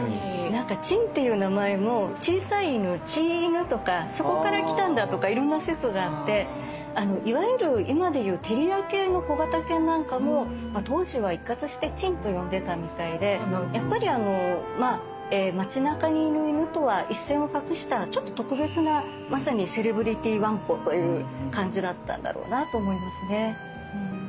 なんか「狆」っていう名前も小さい犬ちい犬とかそこからきたんだとかいろんな説があっていわゆる今で言うテリア系の小型犬なんかも当時は一括して「狆」と呼んでたみたいでやっぱり町なかにいる犬とは一線を画したちょっと特別なまさにセレブリティわんこという感じだったんだろうなぁと思いますね。